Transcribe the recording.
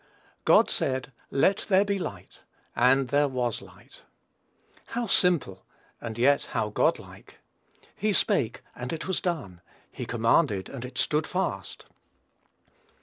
"God said, Let there be light: and there was light." How simple! And yet how Godlike! "He spake, and it was done. He commanded, and it stood fast."